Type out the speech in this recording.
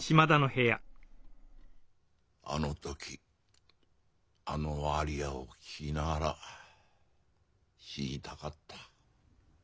あの時あのアリアを聴きながら死にたかった。